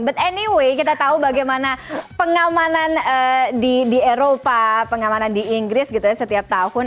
but anyway kita tahu bagaimana pengamanan di eropa pengamanan di inggris gitu ya setiap tahun